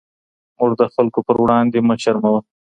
موږ د خلکو پر وړاندې مه شرموه.